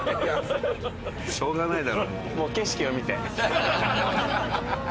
しょうがないだろもう。